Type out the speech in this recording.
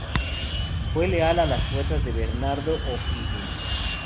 Fue leal a las fuerzas de Bernardo O'Higgins.